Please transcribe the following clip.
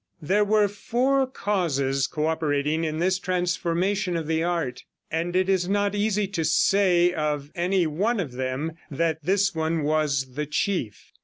There were four causes co operating in this transformation of the art, and it is not easy to say of any one of them that this one was the chief.